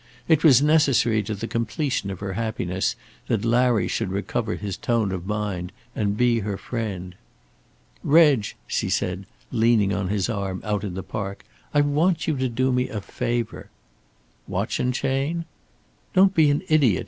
It was necessary to the completion of her happiness that Larry should recover his tone of mind and be her friend. "Reg," she said, leaning on his arm out in the park, "I want you to do me a favour." "Watch and chain?" "Don't be an idiot.